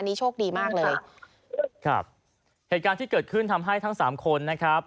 โชคดีมากเลยครับเหตุการณ์ที่เกิดขึ้นทำให้ทั้งสามคนนะครับ